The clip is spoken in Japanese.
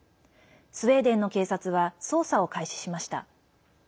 スウェーデンの警察は捜査を開始しました。